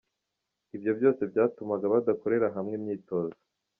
Ibyo byose byatumaga badakorera hamwe imyitozo.